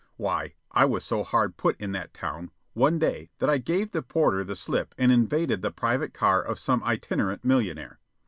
Why, I was so hard put in that town, one day, that I gave the porter the slip and invaded the private car of some itinerant millionnaire.